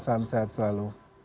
salam sehat selalu